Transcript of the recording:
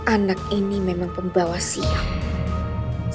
anak ini memang pembawa siap